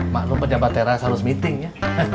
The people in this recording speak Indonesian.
maklum pejabat tera selalu meeting ya